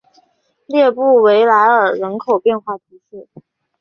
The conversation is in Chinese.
列布维莱尔人口变化图示